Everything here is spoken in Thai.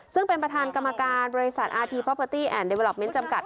ซึ่งเป็นประธานกรรมการบริษัทอาทีพอพาร์ตี้แอนดเดเวอปเมนต์จำกัด